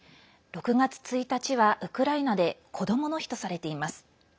６月１日はウクライナでこどもの日とされています。